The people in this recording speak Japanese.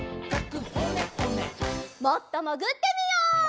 もっともぐってみよう！